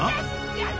やった！